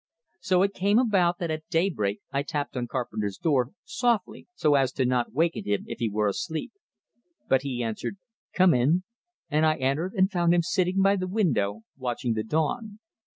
So it came about that at daybreak I tapped on Carpenter's door, softly, so as not to waken him if he were asleep. But he answered, "Come in;" and I entered, and found him sitting by the window, watching the dawn.